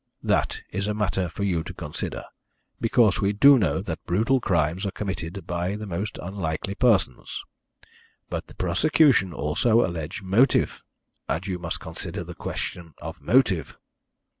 That is a matter for you to consider, because we do know that brutal crimes are committed by the most unlikely persons. But the prosecution also allege motive, and you must consider the question of motive.